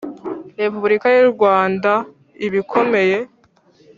Repubulika y u Rwanda ibikomeye.